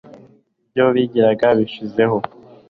ibyo biringiraga bishizeho